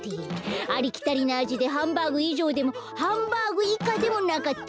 ありきたりなあじでハンバーグいじょうでもハンバーグいかでもなかった。